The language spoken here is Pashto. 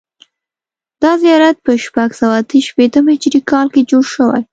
دا زیارت په شپږ سوه اته شپېتم هجري کال کې جوړ شوی.